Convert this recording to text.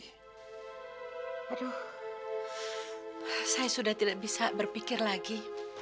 aduh saya sudah tidak bisa berpikir lagi